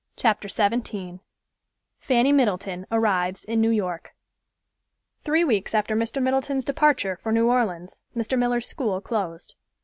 CHAPTER XVII FANNY MIDDLETON ARRIVES IN NEW YORK Three weeks after Mr. Middleton's departure for New Orleans, Mr. Miller's school closed.